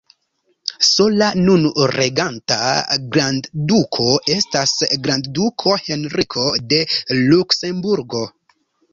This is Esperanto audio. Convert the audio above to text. Sola nun reganta grandduko estas grandduko Henriko de Luksemburgo.